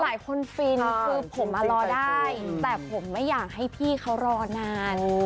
เป็นคนฟินคือผมรอได้แต่ผมไม่อยากให้พี่เขารอนาน